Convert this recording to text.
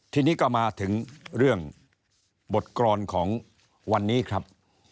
ทีนี้ก็มาถึงเรื่องบทกรอนของวันนี้ครับ